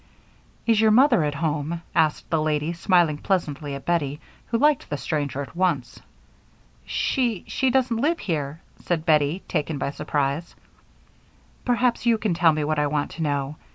"Is your mother at home?" asked the lady, smiling pleasantly at Bettie, who liked the stranger at once. "She she doesn't live here," said Bettie, taken by surprise. "Perhaps you can tell me what I want to know.